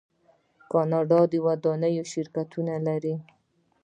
کاناډا د ودانیو شرکتونه لري.